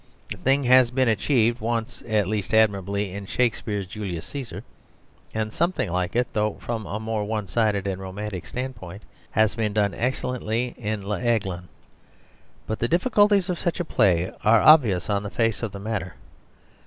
The thing has been achieved once at least admirably in Shakespeare's Julius Cæsar, and something like it, though from a more one sided and romantic stand point, has been done excellently in L'Aiglon. But the difficulties of such a play are obvious on the face of the matter.